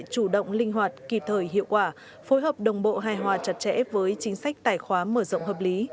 chủ động linh hoạt kịp thời hiệu quả phối hợp đồng bộ hài hòa chặt chẽ với chính sách tài khoá mở rộng hợp lý